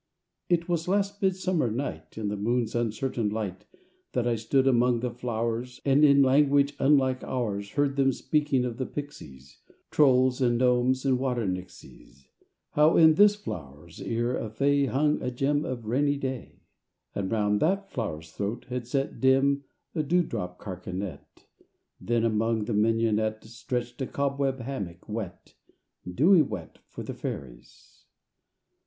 IV It was last Midsummer Night, In the moon's uncertain light, That I stood among the flowers, And, in language unlike ours, Heard them speaking of the Pixies, Trolls and Gnomes and Water Nixes; How in this flow'r's ear a Fay Hung a gem of rainy ray; And round that flow'r's throat had set, Dim, a dewdrop carcanet; Then among the mignonette Stretched a cobweb hammock wet, Dewy wet, For the Fairies.